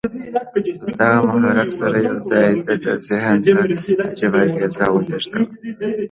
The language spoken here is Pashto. له دغه محرک سره یو ځای د ده ذهن ته عجيبه اغېز ولېږدېد